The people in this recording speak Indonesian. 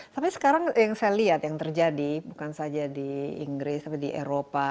tapi sekarang yang saya lihat yang terjadi bukan saja di inggris tapi di eropa